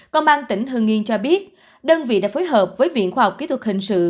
công an tỉnh hương yên cho biết đơn vị đã phối hợp với viện khoa học kỹ thuật hình sự